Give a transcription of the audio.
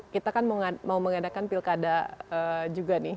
kita kan mau mengadakan pilkada juga nih